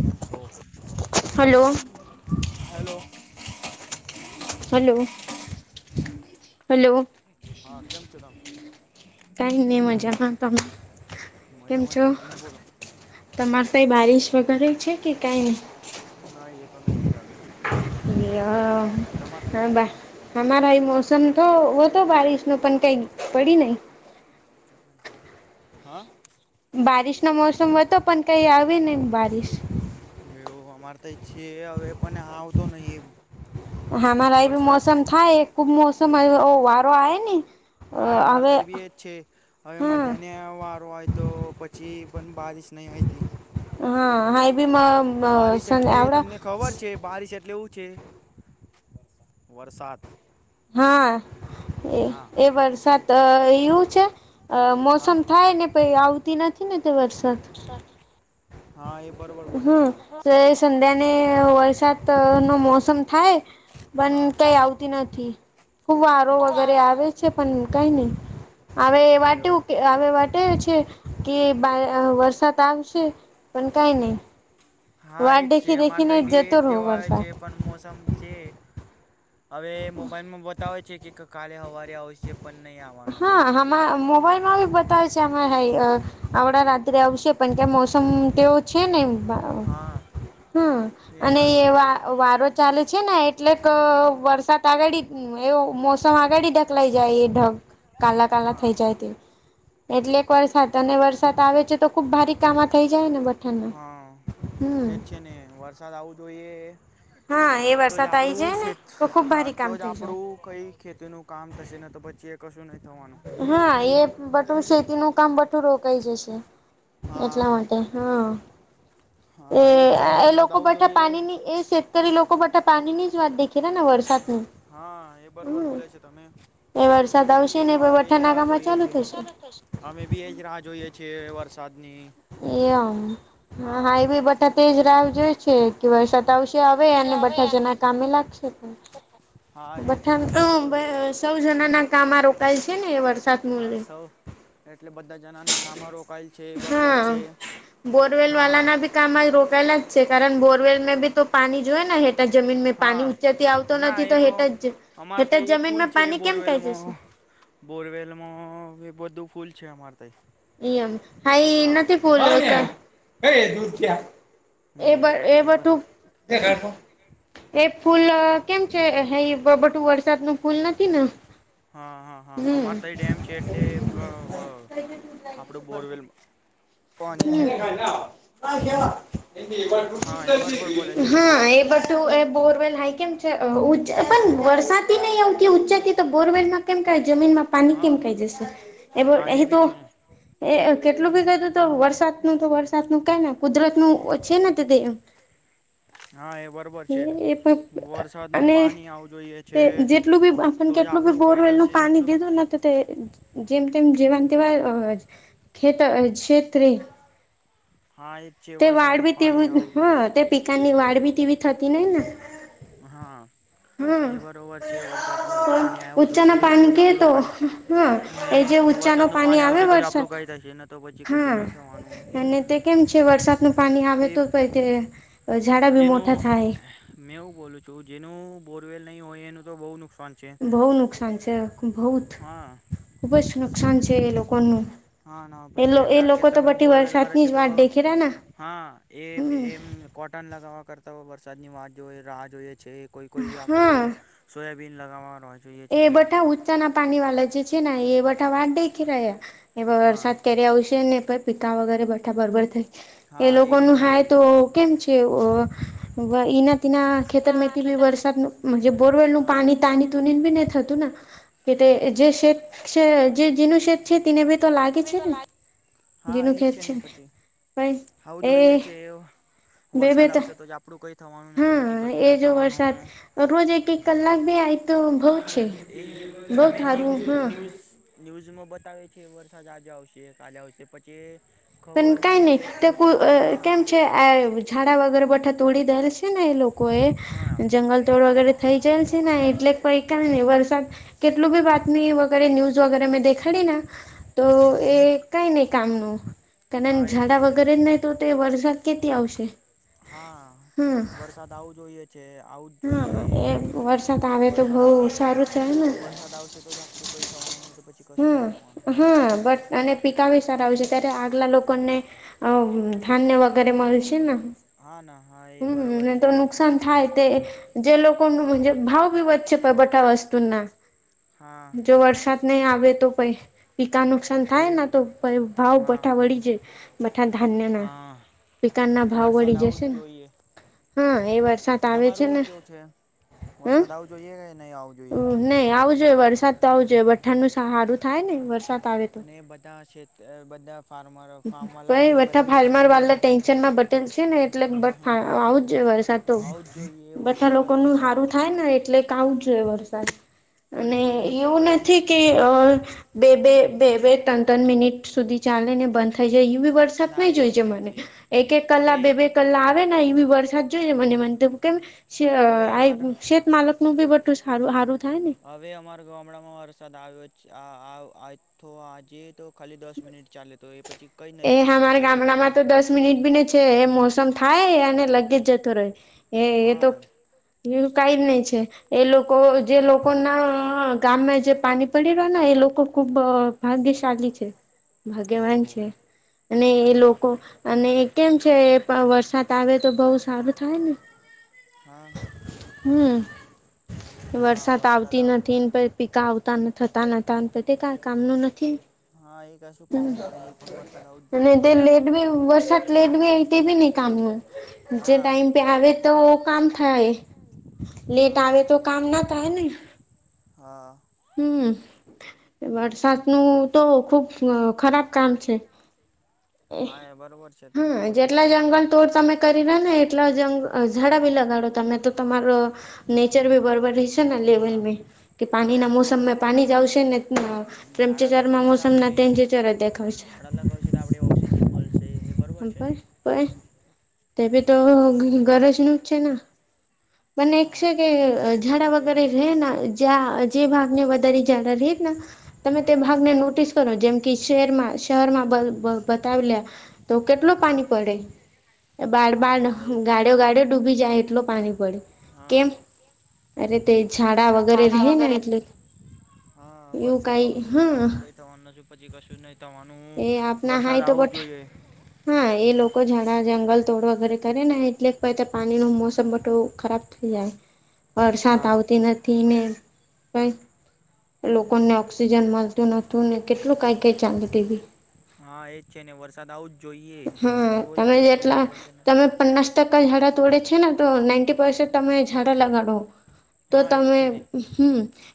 કેમ છો hello hello? Hello hello. હા કેમ છો તમ? કઈ નઈ મજામાં, તમે? કેમ મજામાં જ છો, છે તમે બોલો તમાર કઈ બારિશ વગેરે છે કે કઈની? ના એ તો નહી ચાલે [unintelligible] હા, બા અમારા એ મોસમ તો હો હતો બારિશનો પણ કઈ પડી નહિ હા. બારિશનો મોસમ હતો પણ કઈ આવે નહ બારિશ પર ત્યાં છે હવે પણ આવતો નહિ એમ હામારા એ બી મોસમ થાય, ખુબ મોસમ [unintelligible] વારો આવે ને હા, અમારે હવે તઈ બી એજ છે. હવે હા મધ્યાહને વારો હોય તો પછી પણ બારીશ નઈ હૈતી. હા. બી બારિશ એટલે આવડા તમને ખબર છે, બારીશ એટલે ઊંચ પ છે, વરસાદ હા હા એ વરસાદ એવું છે, અ હા મોસમ થાય ને પ આવતી નથી ને તે વરસાદ હા એ બરોબર બોલે હમ છે તમે જ સંધ્યા ને વરસાદ નો મોસમ થાય હા પણ કઈ આવતી નથી ખુબ વારો વગેરે આવે છે. પણ કઈ નહી આવે એ વાટુ વાટે છે. કે કે બા વરસાદ આવશે પણ કઈ નહી હા વાટ એજ છે, દેખી અમારે ત દેખીને બી જતો એજ રહો આવે વરસાદ છે, પણ મોસમ છે, હવે મોબાઈલમાં બતાવે છે, કે કાલે હવારે આવશે પણ નહીં આવવાનો હા એ હ મોબાઈલ બતાવે છે [unintelligible] આવડા રાત્રે આવશે પણ ત્યાં મોસમ તેવો છે ને એમ હા [unintelligible] હમ્મ એ અને બરાબર બોલે એવા છે વારો ચાલે છે ને એટલે કે વરસાદ આગળ એવ મોસમ આગળ ઢકલાઈ જાય એ ઢગ આલા કાલા હા થઈ જાયતે એટલે એક વરસાદ અને વરસાદ આવે છે તો ખુબ ભારી કામમાં થઇ જાય ને બઠાણના એજ છે ને વરસાદ આવું જોઈએ. હા. એ તો જ વરસાદ આવી આપડું જાય ને તો ખુબ ભારી [unintelligible] કામ તોજ થઈ જાય આપડું કઈ ખેતી નું કામ થશે, ની તો પછી એક હા, એ બટું શેતી નું કામ, બટું રોકાઈ જશે. એટલા હા માટે, હા. એ, હા જ છે એ વરસાદ લોકો આવવો બેઠા જોઈએ પાણીની, એ શેતકરી લોકો બેઠા પાણી નીજ વાત દેખ કે્યાં નાને વરસાદ. હા, એ બરોબર બોલે છે, તમે એ વરસાદ અમે બી આવશે એજ ને પહી બઠા એ રાહ નાકામાં જોઈએ ચાલુ છે. થશે અમે બી એજ રાહ જોઈએ છે એ વરસાદ એમ હા હાઈવે બધા તેજ રાહ જોઈ છે કે વરસાદ તવશે આવે અને બઠાજના કામે લાગશે તો હા એ તમે બઠા બરાબર બોલે છે [unintelligible] સૌ જના ના કામ આ રોકાયેલ છે, ને વરસાદ ન લે સૌ એટલે બધા જણા ના કામ રોકાયેલ છે, બરોબર છે. હા બોરવેલ હા વાલાના બી કામ રોકાયેલા જ છે, કારણ બોરવેલ ને બી તો પાણી જોઈએ નેે જમીન મે પાણી હા ઊંચેથી આવતો ના નથી એ તો હેટ જ અમારે હેઠ તો જ એ ફૂલ જમીનમાં છે પાણી કેમ કાઈ જશે બોરવેલમાં, બોરવેલમાં એ બધું સ્કૂલ છે, અમાર એમ હાઈ નથી [unintelligible] એ બટ, એ હમ બરોબર બટુક એ ફૂલ કેમ છે, હ બટું વરસાદ નું ફૂલ નથી ને? હા હા હા હમ અમાર તય ડેમ છે એટલે વા વા. આપડ બોરવેલ પોણી છે. હા હા એ બરોબર બોલે છે તમે એ બઘુ એ બોરવેલ. હાય કેમ છે અઉચા પણ વરસાદથી નહી આવતી ઉચા થી તો બોરવેલમાં કેમ કાઈ. જમીનમાં પાણી હા કેમ કાઈ જશે એવો હા એ બી અહીતો છે ને એ એ કેટલું ભી કરહ્યુ. વરસાદ નુ તો વરસાદ નું કાઈન કુદરત નું ઓછી ને તે એમ. હા એ બરોબર છે વરસાદ નુ અને પાણી આવું જોઈએ છે. તે જેટલું બી આપણ તો જ કેટલું બી આપણું કઈ બોરવેલ નું થશે ને પાણી તો દીધું નથી તે જીમ. તેમ જીવાન તેવા અ ખેતર છેતરી. હા એ જ છે તે વાળ વરસાદનું બી પાણી તેવું આવવું જોઈએ હ તે પિકાની વાળ બી તેવી થતી નહીના. હા આ. એ બરોબર છે વરસાદ નૂ તો પાણી આવવું જોઈએ ઉચ્ચાના એ તો પાણી જ કે આપડું કઈ હા એ થયે. જે ઊંચાનું વરસાદનું પાણી આવે આવશે તોજ આપડું વરસાદ કઈ થશે નઈ તો પછી કશું હા નહી અને તે કેમ છે વરસાદ એ ઝાડા બી જેનું, મોટા થાય મેં એવું બોલું છું, જેનું બોરવેલ નહી હોય એનું તો બહુ નુક બહુ નુકસાન છે. બહુત હા ખૂબ નુકસાન છે એ લોકોનું હા, ના એ એ પછી એમના લોકો તો ખેતરમાં બધી બોરવેલ કરે વરસાદની છે જ તો વાટ દેખેલા ને હા, એ હમ એમ કોટન લગાવવા કરતા હો વર વરસાદની વાત જો રાહ જોઈએ છે, કોઈ કોઈ આપડે હા સોયાબીન લગાવવાનું હોય એ બઠા ઊંચા ના પાણી વાલા જે છે ને એ બઠા વાટ દેખી રહ્યા, એ હા વરસાદ ક્યારે આવશે ને પીકા વગરે બઠા બરાબર થઈ એ હા લોકો બી નુ છે હાય તો કેમ છે ઓઅ વહીના. તના ખેતર મે બી વરસાદનુ જે બોરવેલ નુ હા પાણી તાણી તુ. બીને થતું ના કે તે જે શેક છે જે જીનું શેક છે તેને વે. તો લાગે છે ને. હા એજ છે ને પછી ભાઈ આવું એ જોઈએ છે એવું. બે બે તા તો પછી હા કશું એ નહીં જો વરસાદ થવાનું રોજ એક એક કલાક ભી આઈ. તો બહુ. છે એ બહુ તમે ન્યૂઝ થારું હા ન્યૂઝ ન્યૂઝમાં બઘા. વતાવે છે વરસાદ આજે આવશે કાલે આવશે પછી. પણ ખબર કઈ નહીં નહી એ તે કુ ખોટું અ છે અ કે કેમ હા છે આ ઝાડા વગેરે બઠત. થોડી દેલ છે ને એ લોકો એ હા જંગલ તોડ વગેરે. થઈ જાયેલ છે ને એટલે પઈકા ને વરસાદ કેટલું બી બાતમી વગેરે ન્યૂઝ વગેરે મેં દેખાડી ને તો હમ એ કઈ નહી કામ નુ કાનન હા એ છે ઝાડા ને વગેરે જ નહી તો તે વરસાદ કેતી આવશે. હા હા વરસાદ આવું જોઈએ છે આવું જ જોઈએ. હા એ વરસાદ આવે તો વરસાદ બહુ આવશે તો સારું પછી છે ને વરસાદ આવશે તો જ આપડું કઈ થવાનું ન તો પછી. કશું નહીં હા થવાનું હા બટ અને પીકા ભી સારા આવે છે ત્યારે. તે આગલા લોકો ને અ ધાન્ય વગેરે મળશે ના. હા ના હા એ બરોબર હમ છે તો નુકસાન થાય તે જે લોકો. પણ મુજે ભાવ ભી વચ્ચે બટા વસ્તુના હા જો વરસાદ નહી આવે. વેતો પઈ. કા નુકસાન એ થાય ના તો ભાવ હા બઠા હા વળી જાય બઠા ધાન્યના. હા પિકાના ભાવ વરસાદ વળી આવવું જશે જ ને જોઈએ હા એ વાત. તમારું કેવું છે હ વરસાદ આવું જોઈએ કે નહી આવવું જોઈએ. જો વરસાદ તો જો વઠાણનું સારું થાય ને વરસાદ. આવે તો અને બધા ક્ષેત્ર બધા. ફાર્મર ફાર્મવાલા ભાઈ એ બઠા બધા ફાર માર નુકસાનમાં વાલા છે ટેન્શન માં બટેલ છે ને એટલે હા આવું જ. વરસાદ તો આવવું જ જોઈએ બધા વરસાદ લોકો ન વરસાદ સારું થાય ને એટલે જોઈએ વરસાદ કોને અને કોને તો એવું પપયો નથી કે બે બે બે બે ત્રણ ત્રણ મિનિટ સુધી ચાલે ને બંધ જે એ બી વરસાદ ના નહી જોય એવું છે નહીં મને જોઈએ એક એક હવે કલાક બે બે કલાક આવે એવી વરસાદ જોઈ મને મને કેમ હવે અમારા શેતમાલ ું પી બ તું સારું હ હવે અમારા ગામડામાં વરસાદ આવ્યો છે આ આ તો આજે તો ખાલી દસ મિનિટ ચાલે તો એ પછી કંઈ એ નહીં હમાર અસર ગામડા થતો માં ને તો દસ મિનિટ બી છે એ મોસમ થાય અને લગે જતો રહે એ એ તો હા એવું કઈ જ નહી એ લોકો જે લોકો ના ગામમાં જે પાણી પડી રહ્યો ને એ લોકો ખુબ ભાગ્યશાલી છે ભાગ્યવાન એવું છે અને એ લોકો અને કેમ છે વરસાદ આવે તો બહુ સારું થાય ને હા હમ હા વરસાદ આવતી આવ નથી ને પ પીકા આવતા થતા નતા પછી ક મ ન નથી. હા એ ક શું કોમનું નહિ એ પણ વરસાદ આવું. જ અને જોઈએ તે લેટ ભી વરસાત લેટ ભી આવી તે ભી નઈ કામ જે હા ટાઈમ પે આવે તો. બુ કામ થાય લેટ હા આવે તો કામ ના થાય ને. હા હમ વરસાત નું તો ખુબ ખરાબ કામ છે. હાએ બરોબર છે તમે હા બોલ્યા જેટલા છે જંગલ તોડ તમે કરી રહ્યા ને એટલા જ ઝાડા બી લગાડો તમે તો તમારો. નેચર ભી બરોબર રહેશે ના હા લેબરની કે અને પાણી ના મોળ. મોસમ આપણું પાણી જાવશે ને ઝાડા ટેમ્પચરમાં લગાવશે તો મોસમ આપણે ના ટેપચર દેખાયશે આપ ઓક્સિજન મળશે એ બરોબર છે ને ત ભ તો પછી ગરજ ન જ છે મને એક હા છે કે બધા એ કરવું ઝાડા જોઈએ વગેરે રહે ના્યા જે ભાગ તમે તે હા ભાગને નોટિસ કરો જેમ શેર શહેરમાં બતાવલ્યા તો કેટલો હા પાણી પડે બાર હા બાર હા એજ છે ગાડ્યો ગાડ્યો ડૂબી જાય એટલો પાણી પડે હા કેમ અરે તે ઝાડા વગેરે રહેે ને એટલે હા એવું વરસાદ કઈ આવશે તો જ હા આપડું કઈ થવાનું નથી પછી કશું નહી તમાનું એ આપના વરસાદ હાય તો આવું બટ જોઈએ હા એ લોકો ડા જંગલ તોડ વગેરે કરે ને એટલે પાણી નું મોસમ બટું ખરાબ થઈ વરસાત હા આવતી નથી મેં કઈ લોકોને ઓક્સિજન મળતું નહોતું ને કેટલું કઈ કઈ ચાાલતીી હા એજ છે ને વરસાદ આવુંજ હા તમે જેટલા થશે ને તમે પન્નાસ ટકા ઝડા તોડે છે ને ના પ તમે ડા લગાડો તો હા એજ તમે છે ને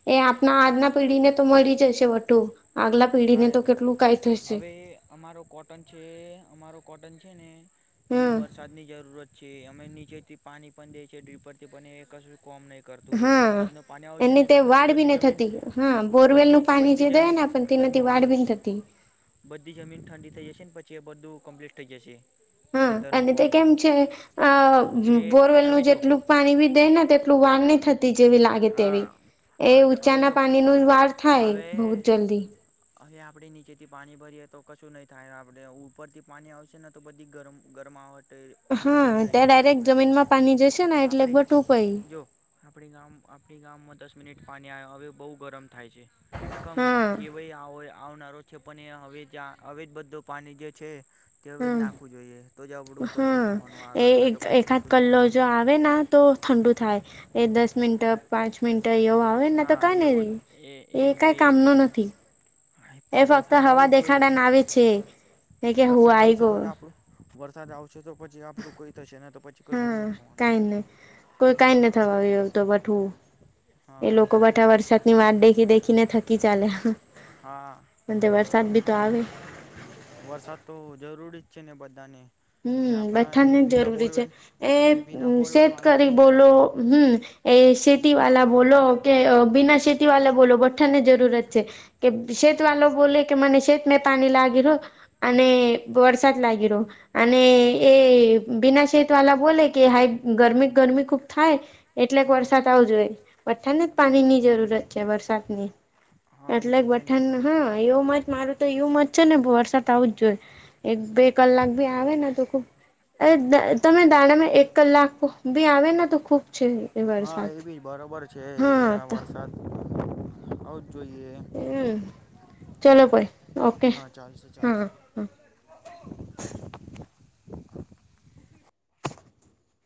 હ આજના પેઢી ને તો મળી જશે વટું આગલા પેઢીને હા તો કેટલું કાઈ થશે હવે અમારો કોટન છે અમારો કોટન છે ને એને હમ વરસાદ ની જરૂરત છે અમે નીચેથી પાણી પણ દે છે ડ્રીપર થી પણું કોમ નહીં કરતું એ હા વરસાદનું પાણી આવશે એની ને તે તો પછી વાડ બી બધી ન જમીન થતી બધી બધી જમીન ત તમે બધી જમીન ઠંડી થઈ જશે ને પછી એ બધું કમ્પ્લીટ થઈ જશે હા ખેતરનું અને તે કોમ કેમ બી છે એ હવે બોરવેલનું જો જેટલું પાણી ભી દે ને તેટલું વાન ન થતી જેવી લાગે તેવી હા એ હા જ- હવે ઊંચાના જો પાણી નુ વાર થાય બહ હવે જ જલ્દી હવે આપણે નીચેથી પાણી ભરીએ તો કશું નહીં થાય આપણે ઉપરથી પાણી આવશે ને તો બધી ગરમ ગરમાવટ હા અંદર જ રહી ત્યાં જશે ડાયરેક્ટ હવે જમીનમાં પાણી જશે ને એટલે આપણે ટોપાઈ જો આપણે ગામ આપણી ગામમાં મિનિટ પાણી આવ હવે બહુ ગરમ થાય છે, કમ હા કેવાય આવનારો. છે પણ એ હવે હવે જ બધું પાણી જે છે. કે હવે જ હમ નાખવું જોઈએ તો જ આપડું હા કશું થવાનું એ આગળ, ના તો પછી એકાદ કશું જ નહી, કલ્લો થવાનું જો આવે ને તો ઠંડુ થાય એ દસ. દસ મિનટ પાંચ મિનટ એવો આવેને તો હા કઈ એવો નહી એ કઈ કામનો નથી. હા, એ પા ફક્ત વરસાદ હવા આવો જ જોઈએ દેખાડાને આવે છે કે હું વરસાદ આવી આવશે તો ગયો. જ આપણું વરસાદ આવશે તો પછી આપડું કઈ થશે ને તો પછી કશું હા નહીં થવાનું કઈ નહી કોઈ કઈ હા ન થવા એ તો વઠવું એ હા લોકો બઠા વરસાદની વાત દેખી દેખી ને થકી હા ચાલા વરસાદ ભી તો આવે વરસાદ તો જરૂરી જ છે ને બધાને એ હમ્મ આપણા બઠાને એ જ બિના જરૂરી છે બોરવેલ એ બિના બોરવેલ વાળા શેતકરી છે ને બોલો હવે હમ એ શેતી વાલા બોલો કે બિના શેતી વાલા બોલો બઠા ની જરૂરત છે કે શેત વાલો બોલે કે મને શેતને પાણી લાગી રહુ અને વરસાદ લાગી રહ્યો. અને હા એ બીના શેત વાલા બોલે કે હાઈ ગરમી ગરમી ખુબ થાય એટલેક હા વરસાદ આવજ જોઈ બઠાને જ પાણીની જરૂરત છે વરસાદની હા એ એટલે બી છે ને બઠણ હા યું મ જ મારું તો યું મ છે ને વરસાદ આવું જ જોઈ એક બે કલાક ભી આવે ને તો ખુબ અ તમે દાણામાં એક કલાક ભી આવેને તો ખૂબ હા એ ભી બરોબર છે હા એ તો વરસાદ જોઈએ. હમ ચલો કોઈ ઓકે હા ચાલશે હા ચાલશે. હા.